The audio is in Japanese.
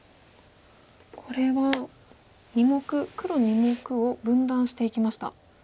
これは黒２目を分断していきました。